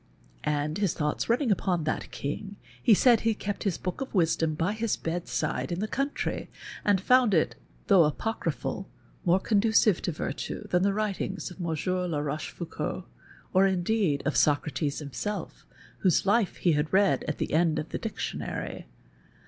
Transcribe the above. "' And, his thoughts running upon that King, he said he kept his Book of Wisdom by his bedside in the country and foiuid it, though Apoeryi)hal, more conducive to virtue than the writings of Mon sieur La Rochefoucauld or, indeed, of Socrates him self, whose life he had read at the end of the Dic tionary.